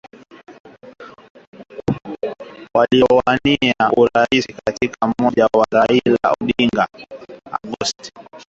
waliowania urais wakati mmoja wao Raila Odinga alipinga matokeo ya uchaguzi wa Agosti tisa